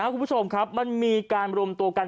คุณผู้ชมครับมันมีการรวมตัวกัน